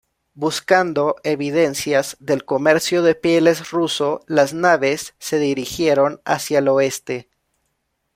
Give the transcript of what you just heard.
Buscando evidencias del comercio de pieles ruso las naves se dirigieron hacia el oeste.